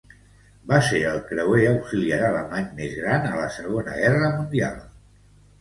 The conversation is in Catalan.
Va ser el creuer auxiliar alemany més gran a la Segona Guerra Mundial.